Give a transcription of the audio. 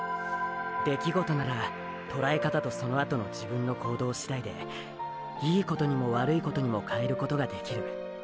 「出来事」ならとらえ方とそのあとの自分の行動次第でいいことにも悪いことにも変えることができる。